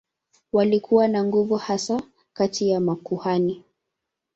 Walikuwa na nguvu hasa kati ya makuhani.